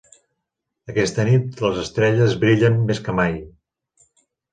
Aquesta nit les estrelles brillen més que mai